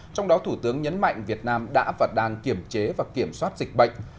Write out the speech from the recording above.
trong đó thủ tướng nhấn mạnh việt nam đã và đang kiểm chế và kiểm soát dịch bệnh